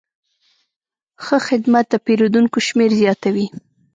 ښه خدمت د پیرودونکو شمېر زیاتوي.